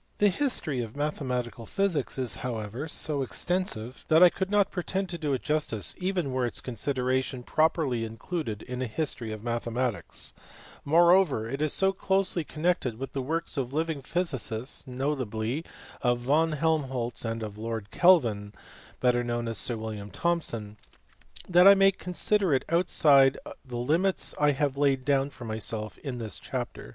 The history of mathematical physics is however so extensive that I could not pretend to do it justice even were its consideration properly included in a history of mathematics : moreover, it is so closely connected with the works of living physicists notably of von Helmholtz and of Lord Kelvin (better known as Sir William Thomson) that I may consider it outside the limits I have laid down for myself in this chapter.